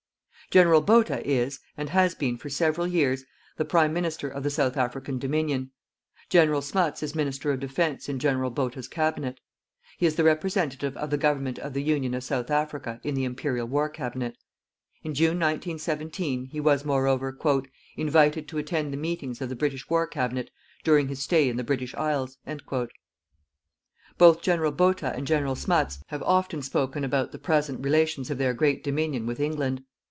General Botha is, and has been for several years, the Prime Minister of the South African Dominion. General Smuts is minister of Defence in General Botha's Cabinet. He is the representative of the Government of the Union of South Africa in the Imperial War Cabinet. In June, 1917, he was, moreover, "invited to attend the meetings of the British War Cabinet during his stay in the British Isles." Both General Botha and General Smuts have often spoken about the present relations of their great Dominion with England.